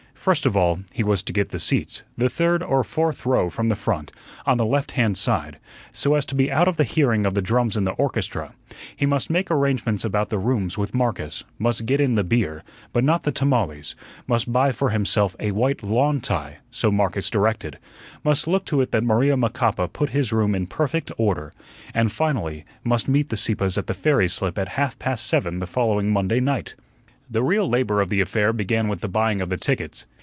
First of all, he was to get the seats, the third or fourth row from the front, on the left hand side, so as to be out of the hearing of the drums in the orchestra; he must make arrangements about the rooms with Marcus, must get in the beer, but not the tamales; must buy for himself a white lawn tie so Marcus directed; must look to it that Maria Macapa put his room in perfect order; and, finally, must meet the Sieppes at the ferry slip at half past seven the following Monday night. The real labor of the affair began with the buying of the tickets.